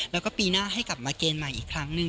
แล้วก็ปีหน้าให้กลับมาเกณฑ์ใหม่อีกครั้งหนึ่ง